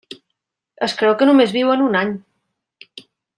Es creu que només viuen un any.